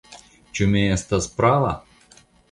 Ĉu mi estas prava?